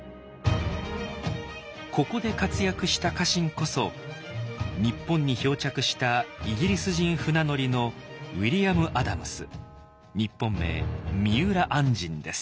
ここで活躍した家臣こそ日本に漂着したイギリス人船乗りの日本名三浦按針です。